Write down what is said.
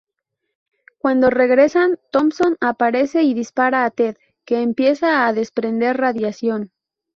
Cuando regresan, Thompson aparece y dispara a Ted, que empieza a desprender radiación.